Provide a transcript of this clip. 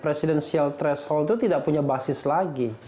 presidensial threshold itu tidak punya basis lagi